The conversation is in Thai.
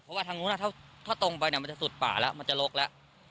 เพราะว่าถ้าตรงไปเนี่ยมันจะสุดป่าแล้วมันจะโลกแล้ว